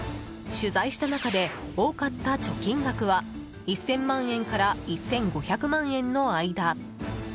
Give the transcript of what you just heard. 取材した中で多かった貯金額は１０００万円から１５００万円の間。